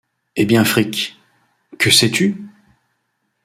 Eh bien, Frik, que sais-tu ?…